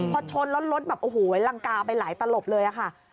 พอชนรถรถแบบโอ้โหลังกาไปหลายตลบเลย